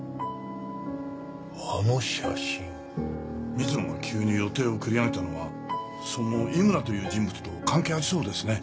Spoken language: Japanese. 水野が急に予定を繰り上げたのはその井村という人物と関係ありそうですね。